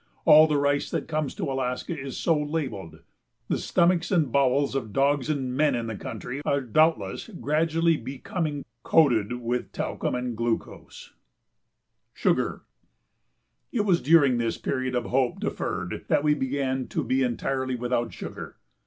All the rice that comes to Alaska is so labelled. The stomachs and bowels of dogs and men in the country are doubtless gradually becoming "coated with talcum and glucose." [Sidenote: Sugar] It was during this period of hope deferred that we began to be entirely without sugar.